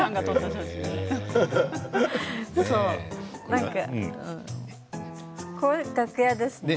何か楽屋ですね。